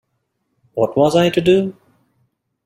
What was I to do?